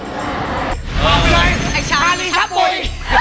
คนอื่นไยชารีช่าปุ่ย